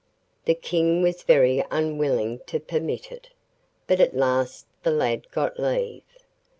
The King was very unwilling to permit it, but at last the lad got leave.